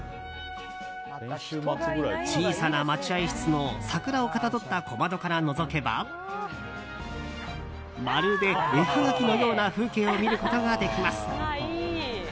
小さな待合室の桜をかたどった小窓からのぞけばまるで絵はがきのような風景を見ることができます。